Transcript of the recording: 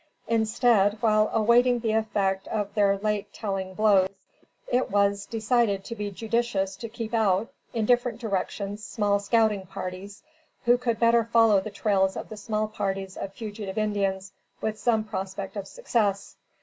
Instead, while awaiting the effect of their late telling blows, it was decided to be judicious to keep out, in different directions, small scouting parties, who could better follow the trails of the small parties of fugitive Indians with some prospect of success.